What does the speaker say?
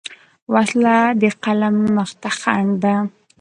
وسله د قلم مخ ته خنډ ده